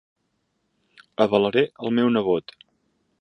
Avalaré el meu nebot.